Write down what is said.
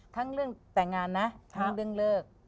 ทั้งเรื่องแต่งงานนะทั้งเรื่องเลิก